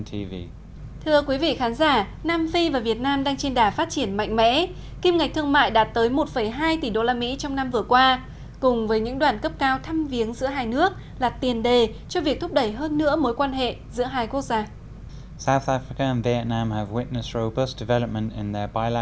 thưa quý vị khán giả nam phi và việt nam đang trên đà phát triển mạnh mẽ kim ngạch thương mại đạt tới một hai tỷ usd trong năm vừa qua cùng với những đoàn cấp cao thăm viếng giữa hai nước là tiền đề cho việc thúc đẩy hơn nữa mối quan hệ giữa hai quốc gia